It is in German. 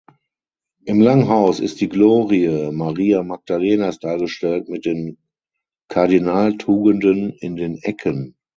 Im Langhaus ist die Glorie Maria Magdalenas dargestellt mit den Kardinaltugenden in den Ecken.